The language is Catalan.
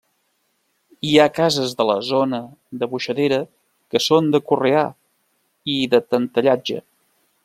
Hi ha cases de la zona de Boixadera que són de Correà i de Tentellatge.